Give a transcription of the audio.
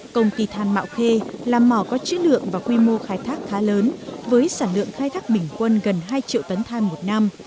công ty than mạo khê là mỏ có chữ lượng và quy mô khai thác khá lớn với sản lượng khai thác bình quân gần hai triệu tấn than một năm